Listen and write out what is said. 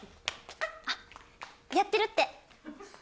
あっやってるって。